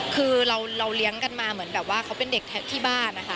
คือเราเลี้ยงกันมาเหมือนแบบว่าเขาเป็นเด็กที่บ้านนะคะ